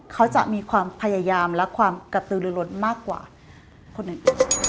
เขาจะมีความพยายามและความกระตือหรือล้นมากกว่าคนอื่น